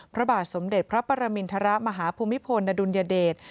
พระบาทสมเด็จพระปรมินทรมาฮภูมิพลอดุลยเดช